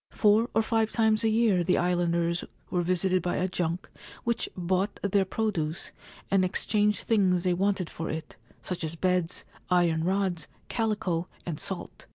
Four or five times a year the islanders were visited by a junk which bought their produce, and exchanged things they wanted for it — such as beds, iron rods, calico, and salt.